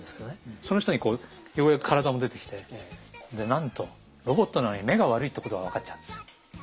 その下にようやく体も出てきてでなんとロボットなのに目が悪いってことが分かっちゃうんですよ。